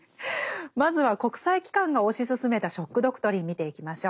まずは国際機関が推し進めた「ショック・ドクトリン」見ていきましょう。